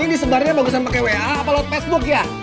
ini disebarnya bagusnya pake wa apa lo facebook ya